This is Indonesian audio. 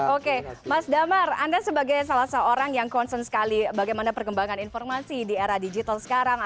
oke mas damar anda sebagai salah seorang yang concern sekali bagaimana perkembangan informasi di era digital sekarang